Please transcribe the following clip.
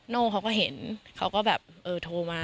โน่เขาก็เห็นเขาก็แบบเออโทรมา